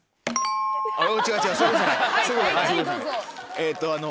えっとあの。